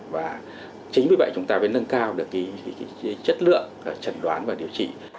và chính vì vậy chúng ta phải nâng cao được chất lượng trần đoán và điều trị